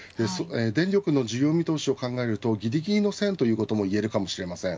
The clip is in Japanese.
電力の需要見通しを考えるとぎりぎりの線ということも言えるかもしれません。